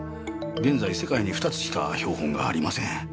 現在世界に２つしか標本がありません。